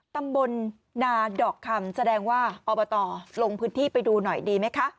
ตำบลนาดอกคำแสดงว่าอบตลงพื้นที่ไปดูหน่อยดีไหมคะ